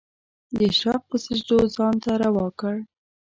د اشراق په سجدو ځان ته روا کړ